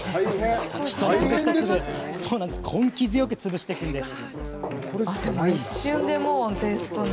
一粒一粒根気強く潰していくんです。